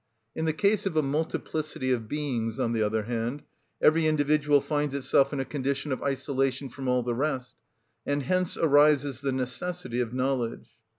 In the case of a multiplicity of beings, on the other hand, every individual finds itself in a condition of isolation from all the rest, and hence arises the necessity of knowledge.